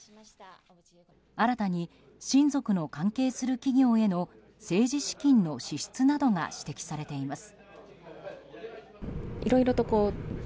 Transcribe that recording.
新たに、親族の関係する企業への政治資金の支出などが指摘されています。